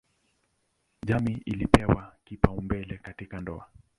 Jamii ilipewa kipaumbele katika ndoa.